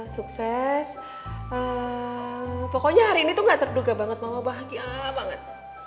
sukses pokoknya hari ini tuh gak terduga banget mama bahagia banget